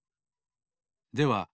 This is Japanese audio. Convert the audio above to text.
では